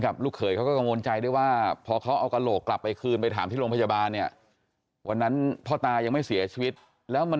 อะไรยังไงญาติก็มาหลงที่เราว่าเรามีปัญหากระหม่อหรือเปล่า